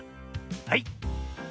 はい。